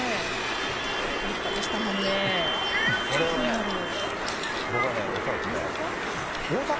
いや、これ、立派でしたもんねぇ。これはね、僕はね、大阪？大阪？